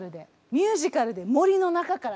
ミュージカルで森の中から。